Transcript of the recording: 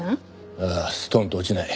ああストンと落ちない。